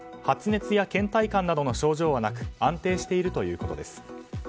発熱や倦怠感などの症状はなく安定しているということです。